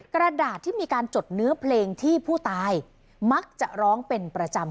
กระดาษที่มีการจดเนื้อเพลงที่ผู้ตายมักจะร้องเป็นประจำ